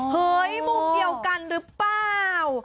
เฮ้ยมุมเดียวกันหรือเปล่า